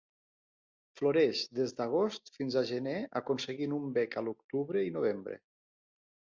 Floreix des d'agost fins a gener aconseguint un bec a l'octubre i novembre.